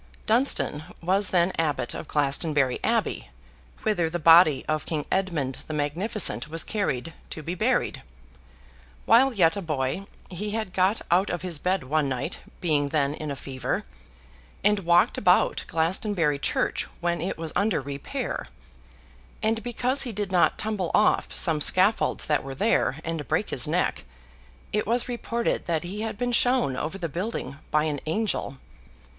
Dunstan was then Abbot of Glastonbury Abbey, whither the body of King Edmund the Magnificent was carried, to be buried. While yet a boy, he had got out of his bed one night (being then in a fever), and walked about Glastonbury Church when it was under repair; and, because he did not tumble off some scaffolds that were there, and break his neck, it was reported that he had been shown over the building by an angel.